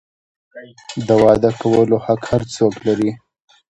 د واده کولو حق هر څوک لري.